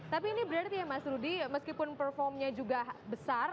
tapi ini berarti ya mas rudy meskipun performnya juga besar